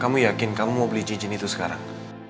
kamu yakin kamu mau beli cijine itu sekarang